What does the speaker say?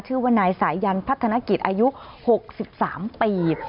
ชื่อว่านายสายันพัฒนกิจอายุ๖๓ปี